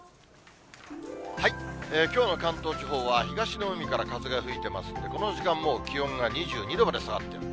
きょうの関東地方は、東の海から風が吹いていますので、この時間もう、気温が２２度まで下がってる。